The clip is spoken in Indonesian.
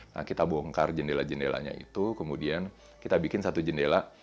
nah kita bongkar jendela jendelanya itu kemudian kita bikin satu jendela